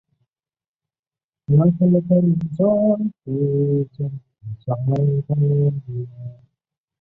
海兰是一个位于美国阿肯色州夏普县的城市。